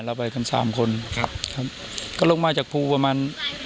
เราไปกันสามคนครับครับก็ลงมาจากภูประมาณ